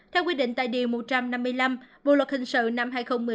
theo quy định tại điều một trăm năm mươi năm bộ luật hình sự năm hai nghìn một mươi năm